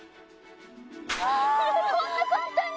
こんな簡単に？